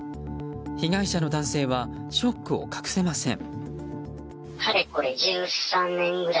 被害者の男性はショックを隠せません。